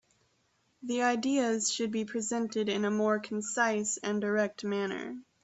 The ideas should be presented in a more concise and direct manner.